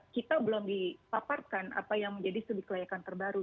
kita belum dipaparkan apa yang menjadi sudah dikelayakan terbaru